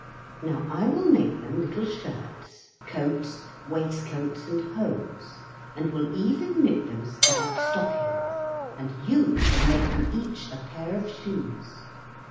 Now I will make them little shirts, coats, waistcoats, and hose, and will even knit them stout stockings, and you shall make them each a pair of shoes."